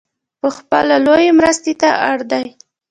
پخپله لویې مرستې ته اړ دی .